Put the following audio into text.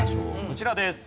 こちらです。